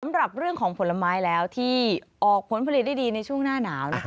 สำหรับเรื่องของผลไม้แล้วที่ออกผลผลิตได้ดีในช่วงหน้าหนาว